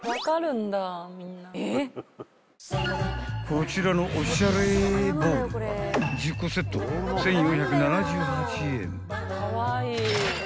［こちらのおしゃれボウルは１０個セット１，４７８円］